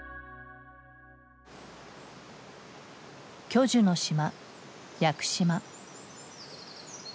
巨樹の島屋久島。